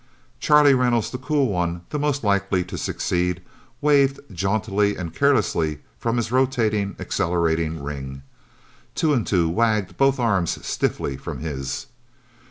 Charlie Reynolds, the cool one, the most likely to succeed, waved jauntily and carelessly from his rotating, accelerating ring. Two and Two wagged both arms stiffly from his.